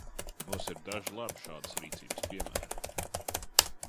Mums ir daži labi šādas rīcības piemēri.